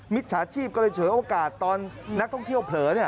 จฉาชีพก็เลยเฉยโอกาสตอนนักท่องเที่ยวเผลอ